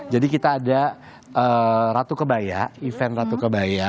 jadi kita ada ratu kebaya event ratu kebaya